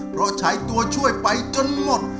เพราะใช้ตัวช่วยไปจนหมด